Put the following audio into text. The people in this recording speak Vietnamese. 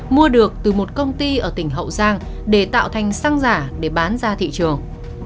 mua được từ một công ty ở tỉnh hậu giang để tạo thành xăng giả để bán ra thị trường